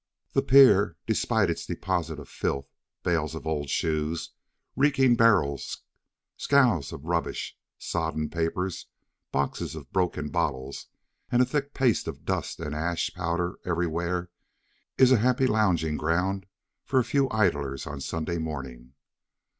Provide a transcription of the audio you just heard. The pier, despite its deposit of filth, bales of old shoes, reeking barrels, scows of rubbish, sodden papers, boxes of broken bottles and a thick paste of dust and ash powder everywhere, is a happy lounging ground for a few idlers on Sunday morning.